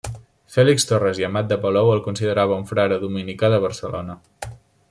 Fèlix Torres i Amat de Palou el considerava un frare dominicà de Barcelona.